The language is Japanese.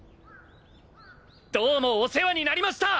どうもお世話になりました！